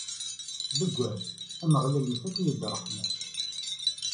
Deg wass, Ameɣlal ittak-iyi-d ṛṛeḥma-s.